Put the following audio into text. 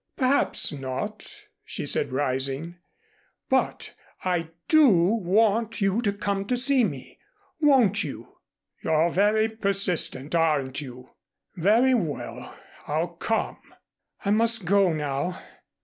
"Perhaps not," she said rising. "But I do want you to come to see me. Won't you?" "You're very persistent, aren't you? Very well, I'll come." "I must go now.